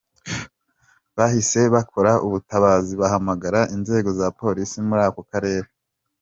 Bahise bakora ubutabazi bahamagara inzego za Polisi muri ako karere.